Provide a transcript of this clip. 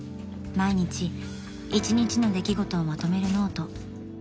［毎日一日の出来事をまとめるノート］